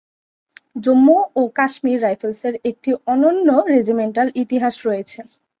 জম্মু ও কাশ্মীর রাইফেলসের একটি অনন্য রেজিমেন্টাল ইতিহাস রয়েছে।